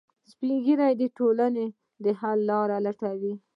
سپین ږیری د ټولنې د حل لارې لټوي